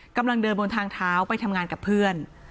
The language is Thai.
กำลังเดินบนทางเท้าไปทำงานกับเพื่อน